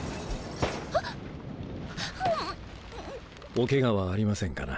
おケガはありませんかな？